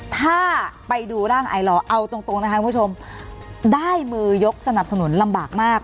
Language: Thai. ถ้าไปดูร่างไอลอร์เอาตรงนะคะคุณผู้ชมได้มือยกสนับสนุนลำบากมาก